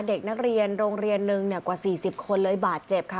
เด็กนักเรียนโรงเรียนนึงกว่า๔๐คนเลยบาดเจ็บค่ะ